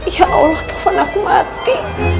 ya allah tuhan aku mati